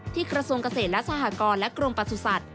ที่กระทรวงเกษตรและสหกรและกรมประสุทธิ์สัตว์